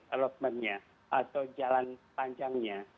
allotment nya atau jalan panjangnya